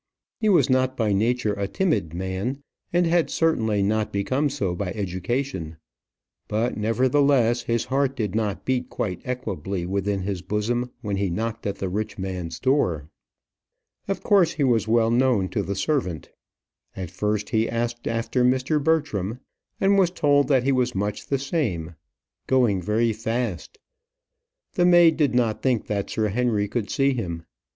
He was not by nature a timid man, and had certainly not become so by education; but, nevertheless, his heart did not beat quite equably within his bosom when he knocked at the rich man's door. Of course he was well known to the servant. At first he asked after Mr. Bertram, and was told that he was much the same going very fast; the maid did not think that Sir Henry could see him.